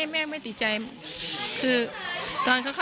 สวัสดีครับ